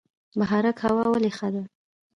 بهارک هوا ولې ښه ده؟